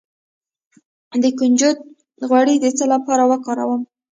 د کنجد غوړي د څه لپاره وکاروم؟